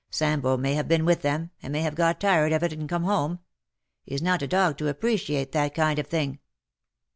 ■ Sambo may have been with them — and may have got tired of it and come home. He's not a dog to appreciate that kind of thing."